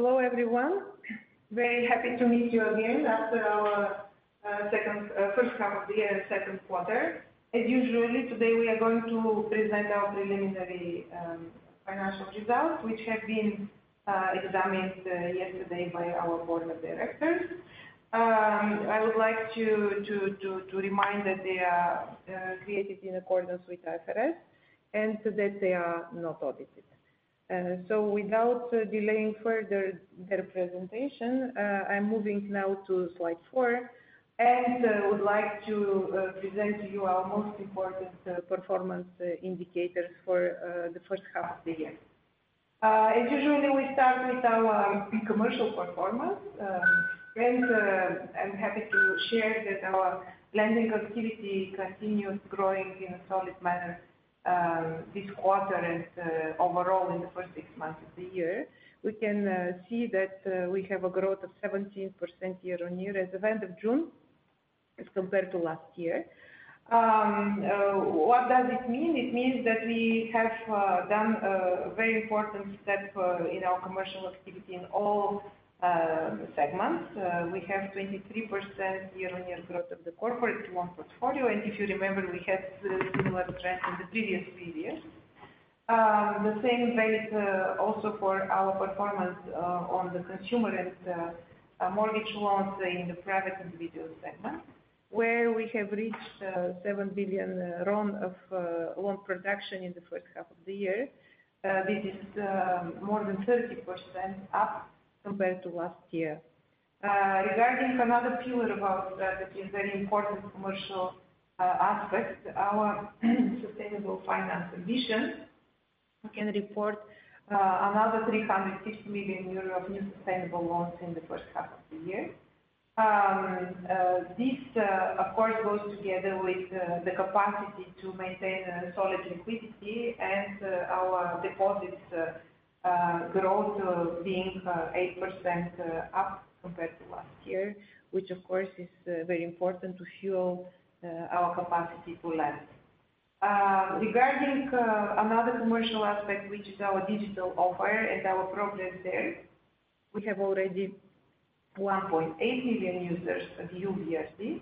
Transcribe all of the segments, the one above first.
Hello, everyone. Very happy to meet you again after our first half of the year, second quarter. As usual, today we are going to present our preliminary financial results, which have been examined yesterday by our board of directors. I would like to remind that they are created in accordance with IFRS and that they are not audited. Without delaying further their presentation, I am moving now to slide four and would like to present to you our most important performance indicators for the first half of the year. As usual, we start with our commercial performance. I am happy to share that our lending activity continues growing in a solid manner this quarter and overall in the first six months of the year. We can see that we have a growth of 17% year-on-year as of the end of June as compared to last year. What does it mean? It means that we have done a very important step in our commercial activity in all segments. We have 23% year-on-year growth of the corporate loan portfolio, and if you remember, we had similar trends in the previous period. The same pace also for our performance on the consumer and mortgage loans in the private individual segment, where we have reached RON 7 billion of loan production in the first half of the year. This is more than 30% up compared to last year. Regarding another pillar of ours that is very important commercial aspect, our sustainable finance ambition, we can report another 350 million euro of new sustainable loans in the first half of the year. This, of course, goes together with the capacity to maintain solid liquidity and our deposits growth being 8% up compared to last year, which, of course, is very important to fuel our capacity to lend. Regarding another commercial aspect, which is our digital offer and our progress there, we have already 1.8 million users of YOU BRD.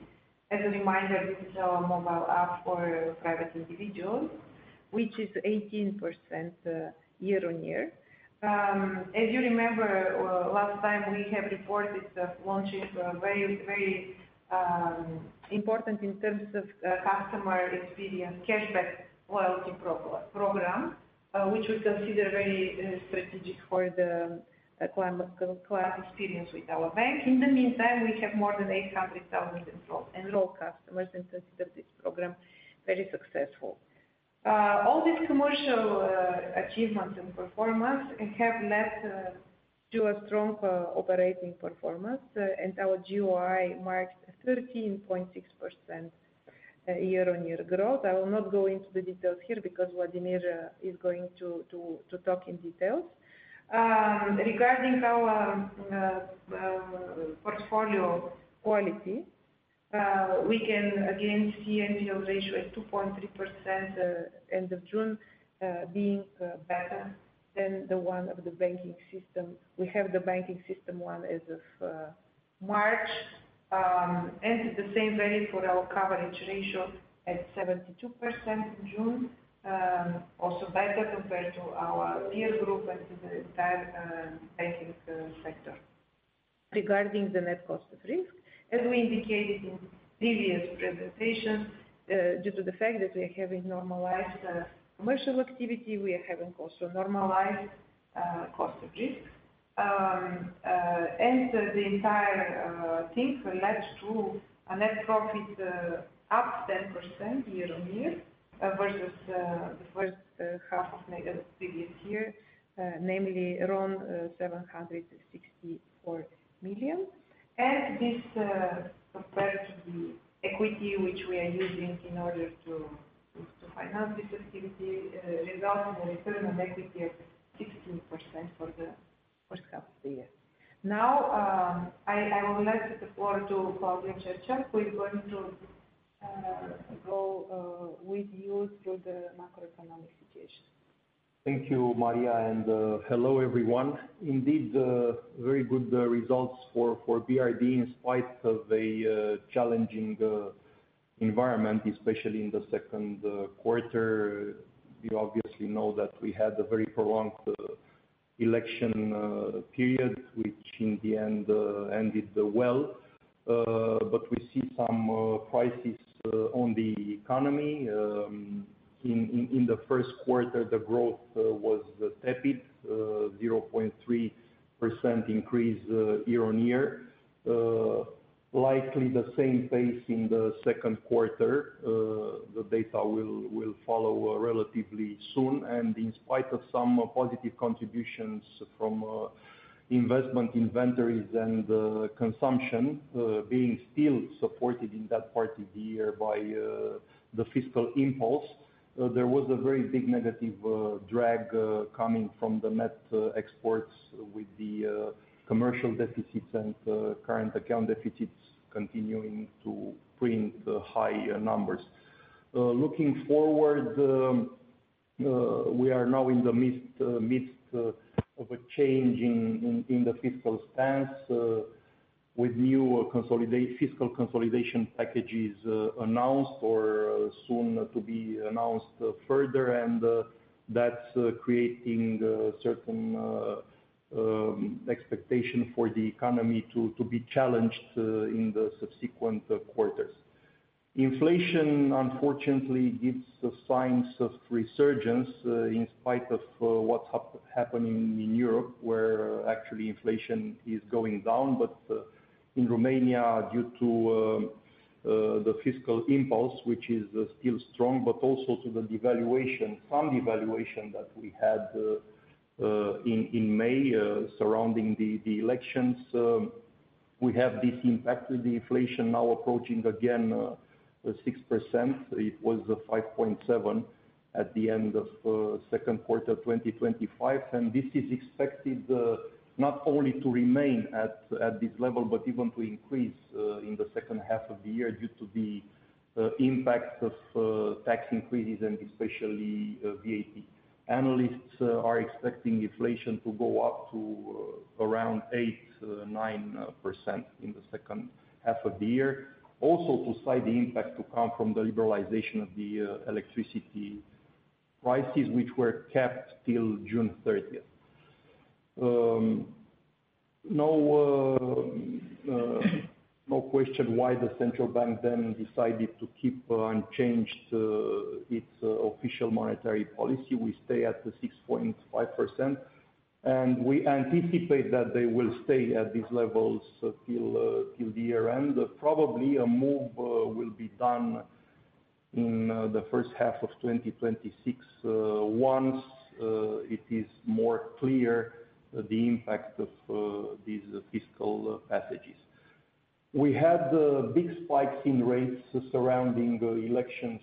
As a reminder, this is our mobile app for private individuals, which is 18% year-on-year. Last time we have reported launching very important in terms of customer experience, YOU BRD CASHBACK loyalty program, which we consider very strategic for the client class experience with our bank. In the meantime, we have more than 800,000 enrolled and loyal customers and consider this program very successful. All these commercial achievements and performance have led to a strong operating performance, and our GOI marked 13.6% year-on-year growth. I will not go into the details here because Vladimir is going to talk in details. Regarding our portfolio quality, we can again see NPL ratio at 2.3% end of June being better than the one of the banking system. We have the banking system one as of March, and the same value for our coverage ratio at 72% in June, also better compared to our peer group and to the entire banking sector. Regarding the net cost of risk, as we indicated in previous presentations, due to the fact that we are having normalized commercial activity, we are having also normalized cost of risk. The entire thing led to a net profit up 10% year-on-year versus the first half of previous year, namely around RON 764 million. This compared to the equity which we are using in order to finance this activity results in a return on equity of 16% for the first half of the year. I will let the floor to Claudiu Cercel, who is going to go with you through the macroeconomic situation. Thank you, Maria, and hello, everyone. Very good results for BRD in spite of a challenging environment, especially in the second quarter. You obviously know that we had a very prolonged election period, which in the end ended well, but we see some prices on the economy. In the first quarter, the growth was tepid, 0.3% increase year-on-year. Likely the same pace in the second quarter. The data will follow relatively soon, in spite of some positive contributions from investment inventories and consumption being still supported in that part of the year by the fiscal impulse, there was a very big negative drag coming from the net exports with the commercial deficits and current account deficits continuing to print high numbers. Looking forward we are now in the midst of a change in the fiscal stance with new fiscal consolidation packages announced or soon to be announced further, that's creating a certain expectation for the economy to be challenged in the subsequent quarters. Inflation, unfortunately, gives signs of resurgence in spite of what's happening in Europe, where actually inflation is going down. In Romania, due to the fiscal impulse, which is still strong, but also to some devaluation that we had in May surrounding the elections, we have this impact of the inflation now approaching again 6%. It was 5.7% at the end of second quarter 2025. This is expected not only to remain at this level, but even to increase in the second half of the year due to the impact of tax increases and especially VAT. Analysts are expecting inflation to go up to around 8% or 9% in the second half of the year. To cite the impact to come from the liberalization of the electricity prices, which were kept till June 30th. No question why the central bank then decided to keep unchanged its official monetary policy. We stay at the 6.5%, we anticipate that they will stay at these levels till the year end. A move will be done in the first half of 2026 once it is more clear the impact of these fiscal packages. We had big spikes in rates surrounding elections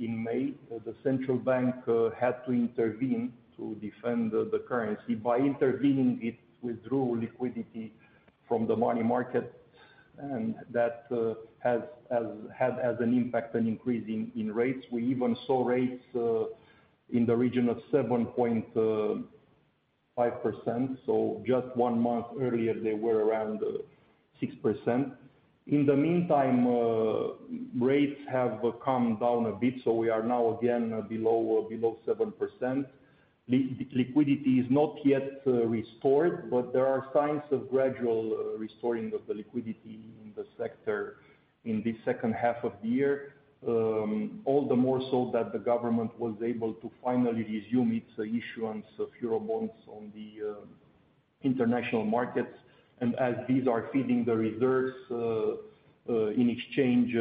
in May. The central bank had to intervene to defend the currency. By intervening, it withdrew liquidity from the money market, that has an impact on increasing in rates. We even saw rates in the region of 7.5%. Just one month earlier they were around 6%. In the meantime, rates have come down a bit. We are now again below 7%. Liquidity is not yet restored, but there are signs of gradual restoring of the liquidity in the sector in the second half of the year. All the more so that the government was able to finally resume its issuance of EUR bonds on the international markets. As these are feeding the reserves in exchange,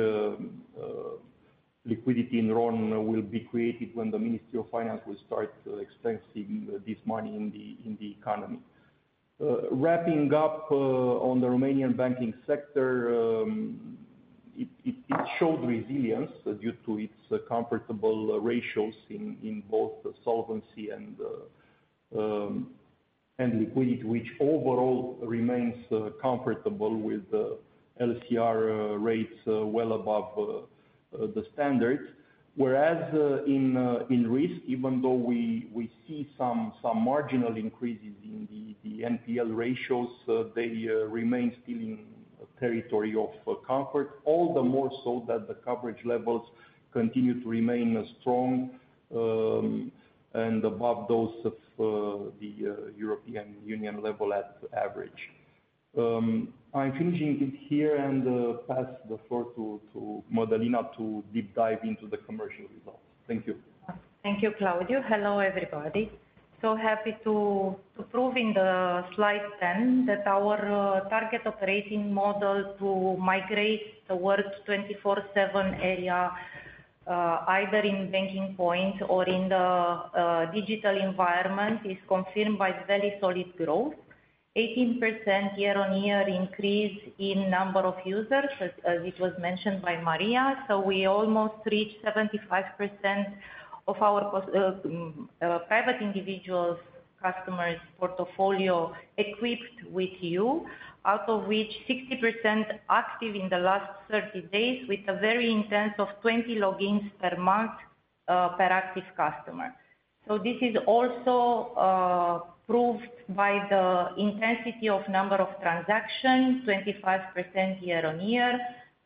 liquidity in RON will be created when the Ministry of Finance will start expensing this money in the economy. Wrapping up on the Romanian banking sector, it showed resilience due to its comfortable ratios in both solvency and liquidity, which overall remains comfortable with LCR rates well above the standards. In risk, even though we see some marginal increases in the NPL ratios, they remain still in territory of comfort. All the more so that the coverage levels continue to remain strong and above those of the European Union level at average. I'm finishing it here and pass the floor to Mădălina to deep dive into the commercial results. Thank you. Thank you, Claudiu. Hello, everybody. Happy to prove in the slide 10 that our target operating model to migrate towards 24/7 area, either in banking point or in the digital environment, is confirmed by very solid growth, 18% year-on-year increase in number of users, as it was mentioned by Maria. We almost reached 75% of our private individuals customers portfolio equipped with you, out of which 60% active in the last 30 days with a very intense of 20 logins per month per active customer. This is also proved by the intensity of number of transactions, 25% year-on-year.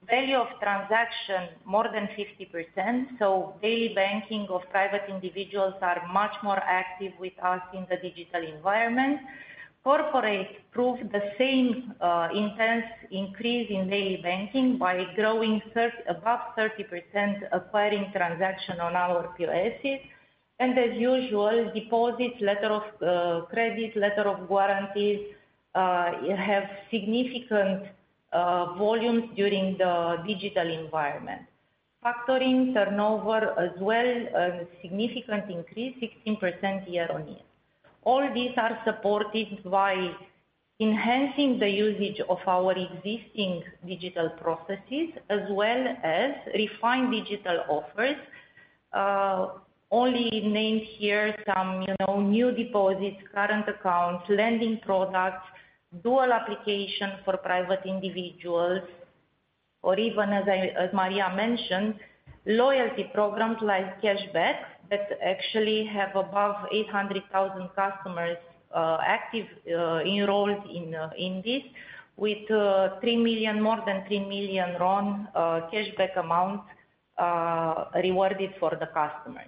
Value of transaction more than 50%. Daily banking of private individuals are much more active with us in the digital environment. Corporate proved the same intense increase in daily banking by growing above 30% acquiring transaction on our POS. As usual, deposits, letter of credit, letter of guarantees have significant volumes during the digital environment. Factoring turnover as well, a significant increase 16% year-on-year. All these are supported by enhancing the usage of our existing digital processes as well as refined digital offers. Only named here some new deposits, current accounts, lending products, dual application for private individuals. Even as Maria mentioned, loyalty programs like YOU BRD CASHBACK that actually have above 800,000 customers active enrolled in this, with more than RON 3 million cashback amount rewarded for the customers.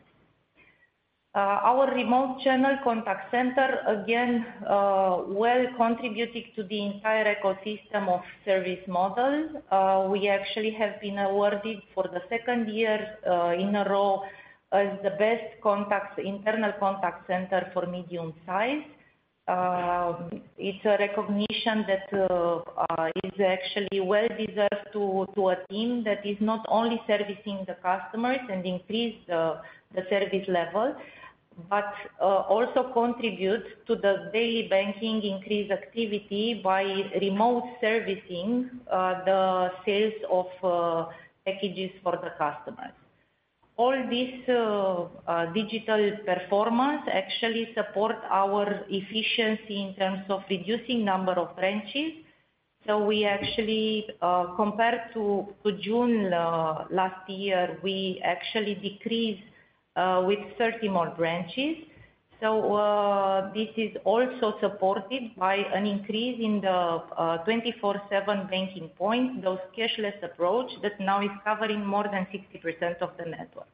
Our remote channel contact center, again, well contributing to the entire ecosystem of service models. We actually have been awarded for the second year in a row as the best internal contact center for medium-size. It's a recognition that is actually well-deserved to a team that is not only servicing the customers and increase the service level, but also contribute to the daily banking increase activity by remote servicing the sales of packages for the customers. All this digital performance actually support our efficiency in terms of reducing number of branches. Compared to June last year, we actually decreased with 30 more branches. This is also supported by an increase in the 24/7 banking point, those cashless approach that now is covering more than 60% of the network.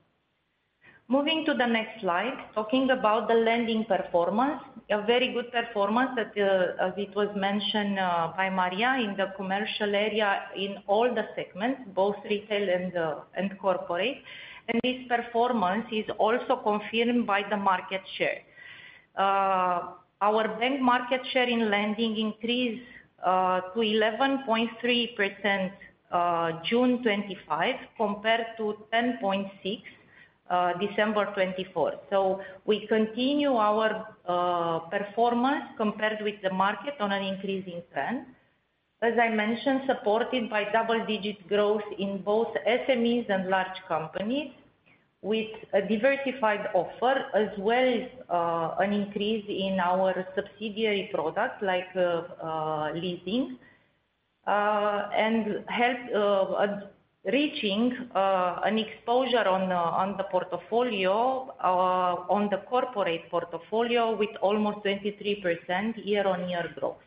Moving to the next slide, talking about the lending performance, a very good performance as it was mentioned by Maria in the commercial area in all the segments, both retail and corporate. And this performance is also confirmed by the market share. Our bank market share in lending increased to 11.3% June 2025, compared to 10.6% December 2024. We continue our performance compared with the market on an increasing trend, as I mentioned, supported by double-digit growth in both SMEs and large companies with a diversified offer, as well as an increase in our subsidiary product like leasing, and reaching an exposure on the corporate portfolio with almost 23% year-on-year growth.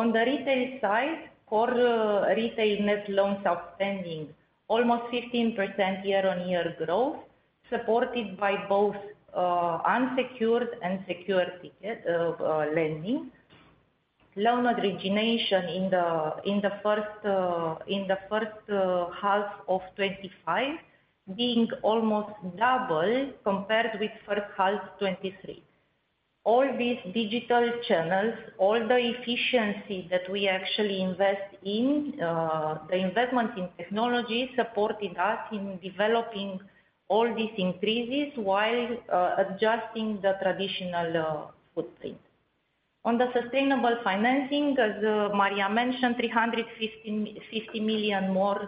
On the retail side, core retail net loans outstanding, almost 15% year-on-year growth, supported by both unsecured and secured lending. Loan origination in the first half of 2025 being almost double compared with first half 2023. All these digital channels, all the efficiency that we actually invest in, the investment in technology supported us in developing all these increases while adjusting the traditional footprint. On the sustainable financing, as Maria mentioned, 350 million more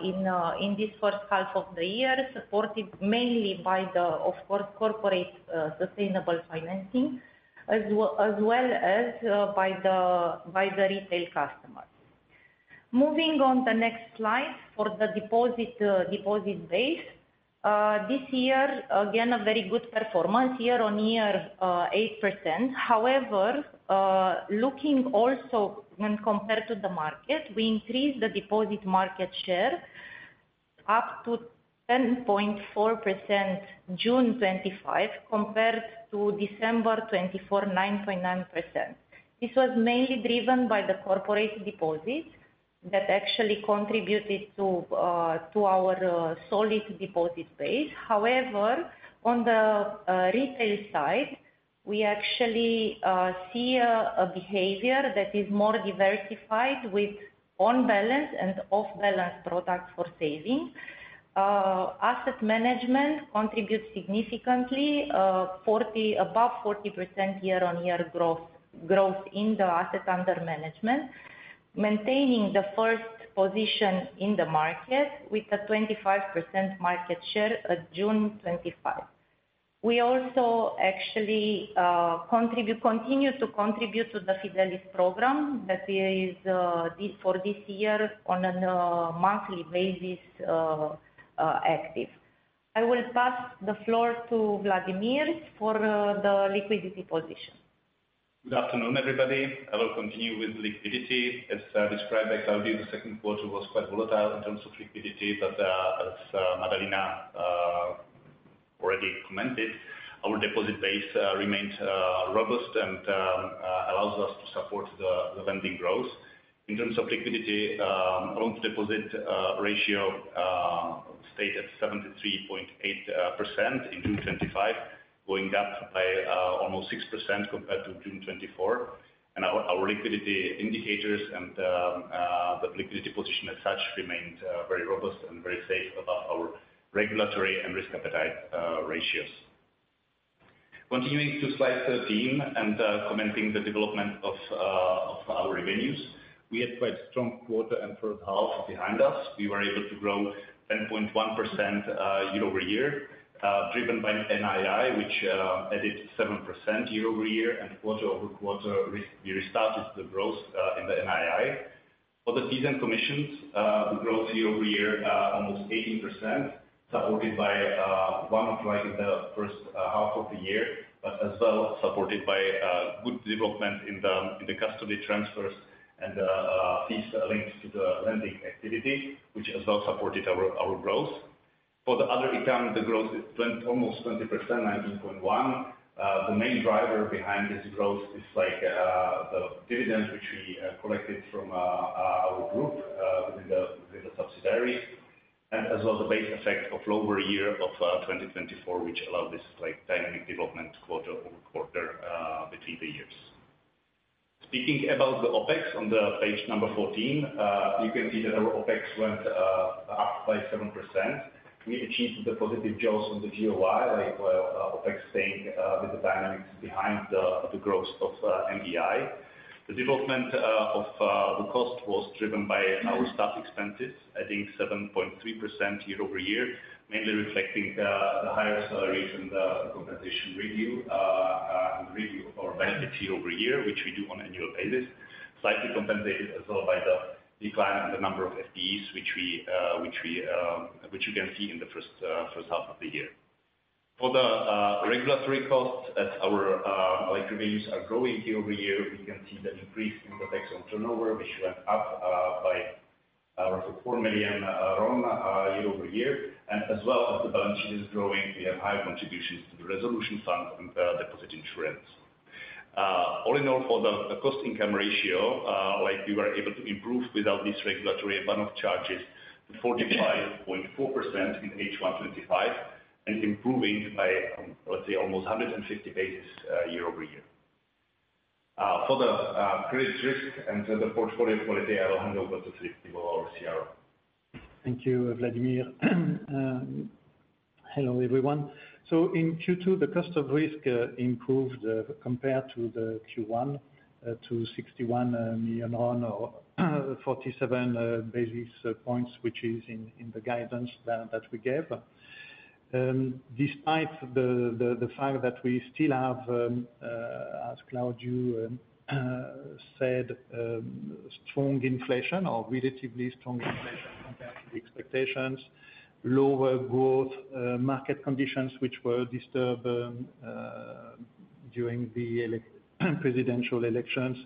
in this first half of the year, supported mainly by the, of course, corporate sustainable financing, as well as by the retail customers. Moving on the next slide for the deposit base. This year, again, a very good performance, year-on-year 8%. However, looking also when compared to the market, we increased the deposit market share up to 10.4% June 2025, compared to December 2024, 9.9%. This was mainly driven by the corporate deposits that actually contributed to our solid deposit base. On the retail side, we actually see a behavior that is more diversified with on-balance and off-balance products for saving. Asset management contributes significantly above 40% year-on-year growth in the asset under management, maintaining the first position in the market with a 25% market share at June 2025. We also actually continue to contribute to the Fidelis program that is for this year on a monthly basis active. I will pass the floor to Vladimir for the liquidity position. Good afternoon, everybody. I will continue with liquidity. As described by Claudiu, the second quarter was quite volatile in terms of liquidity, but as Mădălina already commented, our deposit base remains robust and allows us to support the lending growth. In terms of liquidity, loan-to-deposit ratio stayed at 73.8% in June 2025, going up by almost 6% compared to June 2024. Our liquidity indicators and the liquidity position as such remained very robust and very safe above our regulatory and risk appetite ratios. Continuing to slide 13 and commenting the development of our revenues, we had quite strong quarter and first half behind us. We were able to grow 10.1% year-over-year driven by NII, which added 7% year-over-year and quarter-over-quarter we restarted the growth in the NII. For the fees and commissions, we grew year-over-year almost 18%, supported by one of the first half of the year, but as well supported by good development in the custody transfers and fees linked to the lending activity, which as well supported our growth. For the other income, the growth is almost 20%, 19.1%. The main driver behind this growth is the dividends, which we collected from our group within the subsidiaries, and as well the base effect of lower year of 2024, which allowed this dynamic development quarter-over-quarter between the years. Speaking about the OpEx on page number 14, you can see that our OpEx went up by 7%. We achieved the positive goals on the GOI, like OpEx staying with the dynamics behind the growth of NBI. The development of the cost was driven by our staff expenses, I think 7.3% year-over-year, mainly reflecting the higher acceleration, the compensation review, or benefits year-over-year, which we do on an annual basis, slightly compensated as well by the decline in the number of FTEs which you can see in the first half of the year. For the regulatory cost, as our loan revenues are growing year-over-year, we can see the increase in protection turnover, which went up by roughly RON 4 million year-over-year, and as well as the balance sheet is growing, we have high contributions to the resolution fund and deposit insurance. All in all, for the cost-income ratio, we were able to improve without this regulatory amount of charges to 45.4% in H1 2025 and improving by, let's say, almost 150 basis points year-over-year. For the credit risk and the portfolio quality, I will hand over to Philippe, our CRO. Thank you, Vladimir. Hello, everyone. In Q2, the cost of risk improved compared to the Q1 to RON 61 million or 47 basis points, which is in the guidance that we gave. Despite the fact that we still have, as Claudiu said, strong inflation or relatively strong inflation compared to the expectations, lower growth market conditions, which were disturbed during the presidential elections,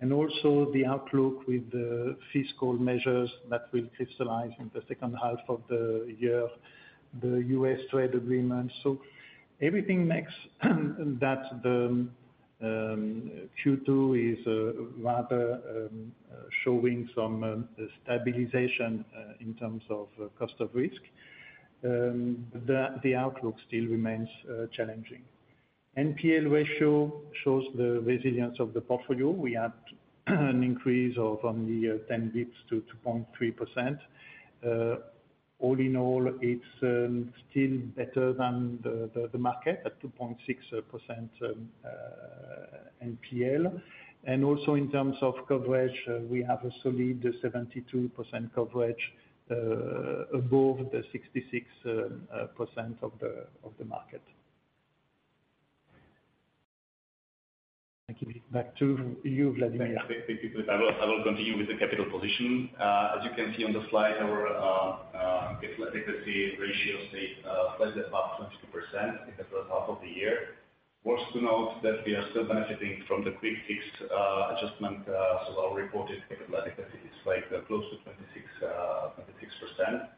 and also the outlook with the fiscal measures that will crystallize in the second half of the year, the U.S. trade agreement. Everything makes that the Q2 is rather showing some stabilization in terms of cost of risk. The outlook still remains challenging. NPL ratio shows the resilience of the portfolio. We had an increase from the 10 basis points to 2.3%. All in all, it is still better than the market at 2.6% NPL. In terms of coverage, we have a solid 72% coverage above the 66% of the market. Thank you. Back to you, Vladimir. Thank you, Philippe. I will continue with the capital position. As you can see on the slide, our capital adequacy ratio stayed slightly above 22% in the first half of the year. Worth to note that we are still benefiting from the quick fix adjustment, our reported capital adequacy is close to 26%.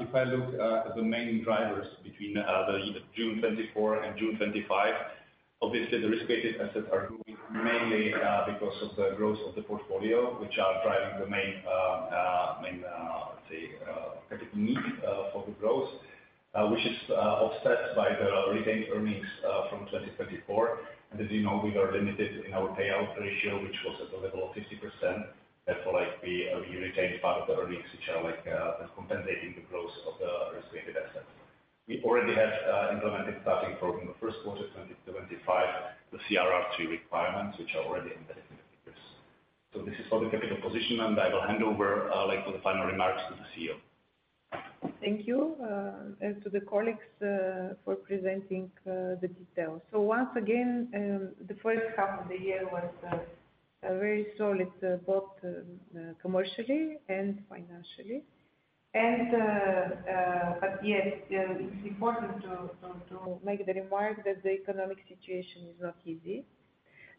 If I look at the main drivers between the June 2024 and June 2025, obviously, the risk-weighted assets are growing mainly because of the growth of the portfolio, which are driving the main, let's say, credit need for the growth, which is offset by the retained earnings from 2024. As you know, we are limited in our payout ratio, which was at the level of 50%. Therefore, we retained part of the earnings, which are compensating the growth of the risk-weighted assets. We already have implemented starting from the first quarter 2025, the CRR3 requirements, which are already embedded in the figures. This is for the capital position, and I will hand over for the final remarks to the CEO. Thank you, and to the colleagues for presenting the details. Once again, the first half of the year was very solid, both commercially and financially. Yes, it's important to make the remark that the economic situation is not easy.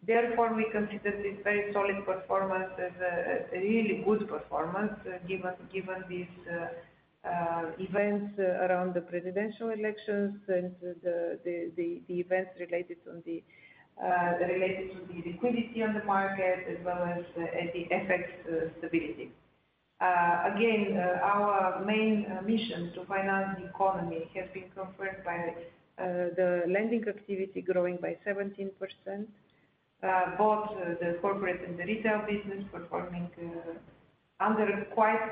Therefore, we consider this very solid performance as a really good performance, given these events around the presidential elections and the events related to the liquidity on the market as well as the FX stability. Again, our main mission to finance the economy has been confirmed by the lending activity growing by 17%, both the corporate and the retail business performing under quite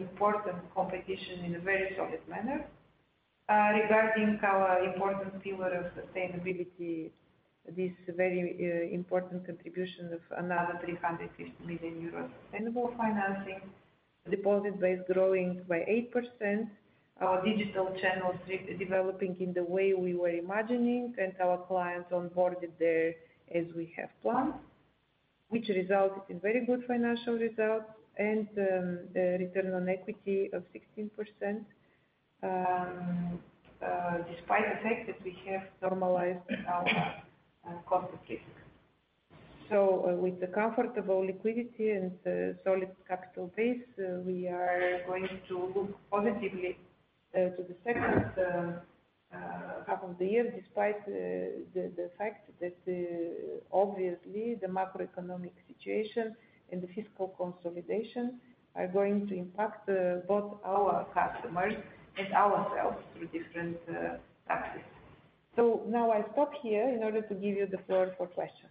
important competition in a very solid manner. Regarding our important pillar of sustainability, this very important contribution of another 350 million euros sustainable financing, deposit base growing by 8%, our digital channels developing in the way we were imagining, and our clients onboarded there as we have planned, which resulted in very good financial results and the return on equity of 16%, despite the fact that we have normalized our cost of risk. With the comfortable liquidity and solid capital base, we are going to look positively to the second half of the year, despite the fact that obviously, the macroeconomic situation and the fiscal consolidation are going to impact both our customers and ourselves through different axes. Now I stop here in order to give you the floor for questions.